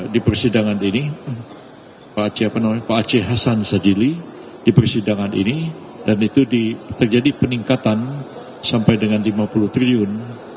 di persidangan ini pak aceh hasan sajili di persidangan ini dan itu terjadi peningkatan sampai dengan lima puluh triliun